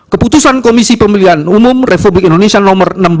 keputusan komisi pemilihan umum republik indonesia no seribu enam ratus empat puluh dua